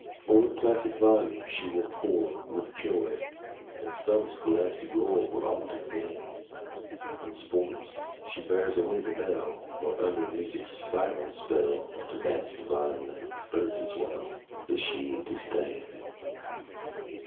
O'er classic volumes she will pore With joy; and true scholastic lore Will often gain. In sports she bears away the bell, Nor, under music's siren spell, To dance divinely, flirt as well, Does she disdain.